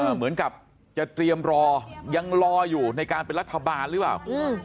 เหมือนกับจะเตรียมรอยังรออยู่ในการเป็นรัฐบาลหรือเปล่า